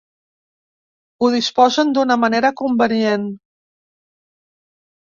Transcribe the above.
Ho disposen d'una manera convenient.